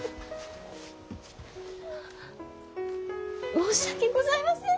申し訳ございません！